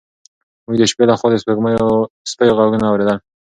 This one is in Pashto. موږ د شپې لخوا د سپیو غږونه اورېدل.